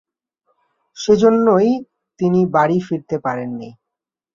সেজন্যই তিনি বাড়ি ফিরতে পারেননি।